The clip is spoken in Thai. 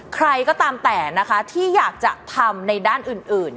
ใครก็ตามแต่นะคะที่อยากจะทำในด้านอื่น